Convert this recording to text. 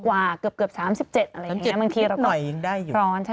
๓๖กว่าเกือบ๓๗อะไรแบบนี้นะบางทีเราก็ร้อน